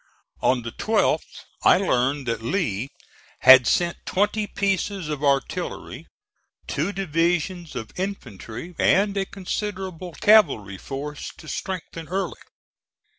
On the 12th I learned that Lee had sent twenty pieces of artillery, two divisions of infantry and a considerable cavalry force to strengthen Early.